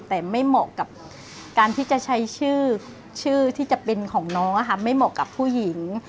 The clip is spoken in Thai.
แต่ไม่เหมาะกับการที่จะใช้ชื่อที่จะเป็นของน้องไม่เหมาะกับผู้หญิง